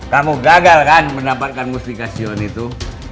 kamu gagal kan mendapatkan musikasi on itu